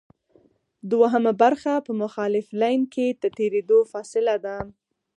دوهمه برخه په مخالف لین کې د تېرېدو فاصله ده